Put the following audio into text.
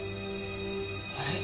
あれ？